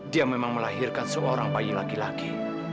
dia memang melahirkan seorang bayi laki laki